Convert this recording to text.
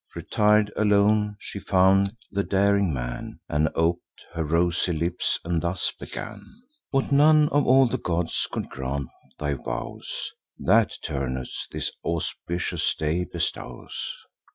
Retir'd alone she found the daring man, And op'd her rosy lips, and thus began: "What none of all the gods could grant thy vows, That, Turnus, this auspicious day bestows.